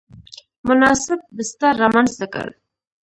مناسب بستر رامنځته کړ.